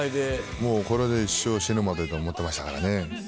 もうこれで一生死ぬまでと思ってましたからね。